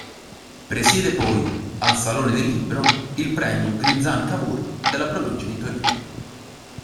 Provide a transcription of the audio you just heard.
Presiede poi, al Salone del libro, il premio Grinzane Cavour della provincia di Torino.